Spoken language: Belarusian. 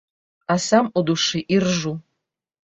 А сам у душы іржу.